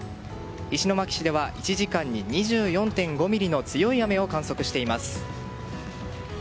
石巻市では１時間に２４．５ミリの強い雨を観測しています。